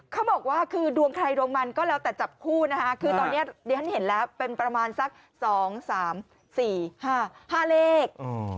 เขาบอกว่าคือดวงใครดวงมันก็แล้วแต่จับคู่นะฮะคือตอนเนี้ยเดี๋ยวฉันเห็นแล้วเป็นประมาณสักสองสามสี่ห้าห้าเลข